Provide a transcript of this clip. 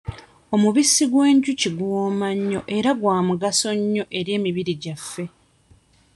Omubisi gw'enjuki guwooma nnyo era gwa mugaso nnyo eri emibiri gyaffe.